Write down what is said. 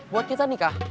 buat kita nikah